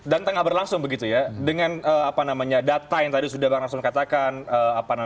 dan tengah berlangsung begitu ya dengan apa namanya data yang tadi sudah bang rangson katakan